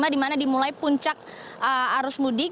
dimana dimulai puncak arus mudik